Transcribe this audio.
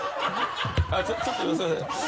ちょっとすみません。